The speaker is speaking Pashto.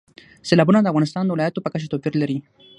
سیلابونه د افغانستان د ولایاتو په کچه توپیر لري.